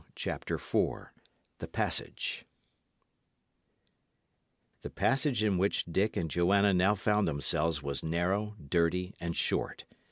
CHAPTER IV THE PASSAGE The passage in which Dick and Joanna now found themselves was narrow, dirty, and short.